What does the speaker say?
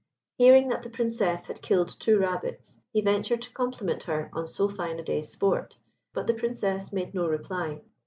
Hearing that the Princess had killed two rabbits, he ventured to compliment her on so fine a day's sport, but the Princess made no reply.